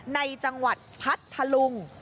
ในจังหวัดพัทธลุง